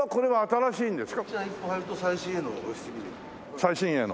最新鋭の。